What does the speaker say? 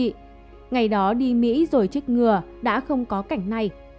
nữ ca sĩ ngày đó đi mỹ rồi trích ngừa đã không có cảnh này